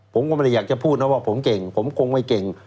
ผมก็ไม่ได้อยากจะพูดนะว่าผมเก่งผมคงไม่เก่ง